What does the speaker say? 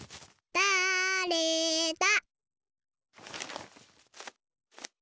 だれだ？